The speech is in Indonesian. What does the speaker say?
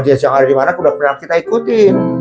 jazz yang ada dimana udah kita ikuti